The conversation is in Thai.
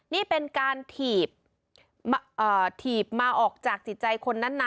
นี่เป็นการถีบถีบมาออกจากจิตใจคนนั้นนะ